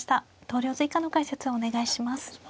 投了図以下の解説をお願いします。